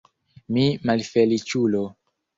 Mi malfeliĉulo!